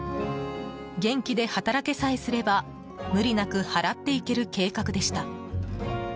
元気で働けさえすれば無理なく払っていける計画でした。